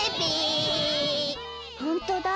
ほんとだ